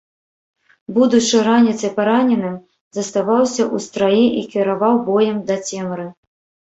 Будучы раніцай параненым, заставаўся ў страі і кіраваў боем да цемры.